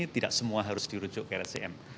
tidak semua harus dirujuk ke rscm